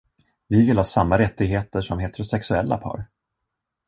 Vi vill ha samma rättigheter som heterosexuella par.